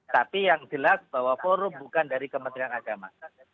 tapi yang jelas bahwa forum bukan dari kementerian agama